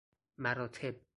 مراتب